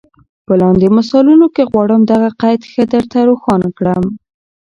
په لاندي مثالونو کي غواړم دغه قید ښه در ته روښان کړم.